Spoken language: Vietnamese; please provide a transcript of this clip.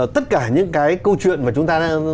tất cả những cái câu chuyện mà chúng ta